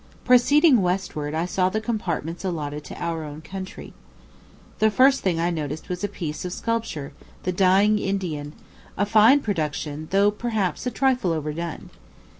Proceeding westward, I saw the compartments allotted to our own country. The first thing I noticed was a piece of sculpture, the dying Indian, a fine production, though perhaps a trifle overdone.